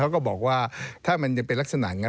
แล้วก็บอกว่าถ้ามันจะเป็นลักษณะอย่างนั้น